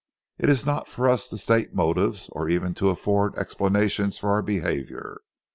It is not for us to state motives or even to afford explanations for our behaviour.